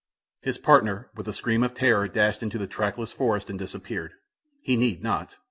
His partner, with a scream of terror, dashed into the trackless forest and disappeared. He need not.